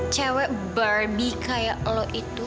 cewek barbie kayak lo itu